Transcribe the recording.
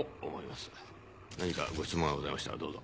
何かご質問がございましたらどうぞ。